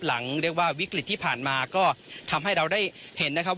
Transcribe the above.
เรียกว่าวิกฤตที่ผ่านมาก็ทำให้เราได้เห็นนะครับ